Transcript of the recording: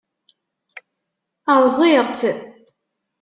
Rẓiɣ-tt?